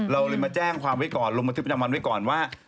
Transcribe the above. เราเลยมาแจ้งความไว้ก่อนลงบันทึกประจำวันไว้ก่อนว่า